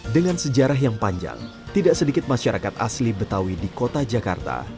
dengan sejarah yang panjang tidak sedikit masyarakat asli betawi di kota jakarta